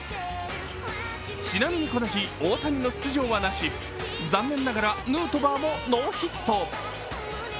ちなみにこの日、大谷の出場はなし残念ながらヌートバーもノーヒット。